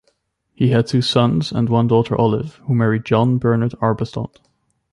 He had two sons, and one daughter Olive, who married John Bernard Arbuthnot.